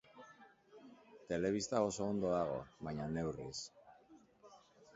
Telebista oso ondo dago, baina neurriz.